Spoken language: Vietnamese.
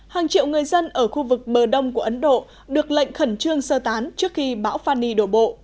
hàng triệu người dân ở khu vực bờ đông của ấn độ được lệnh khẩn trương sơ tán trước khi bão fani đổ bộ